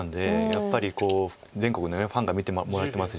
やっぱり全国のファンが見てもらってますし。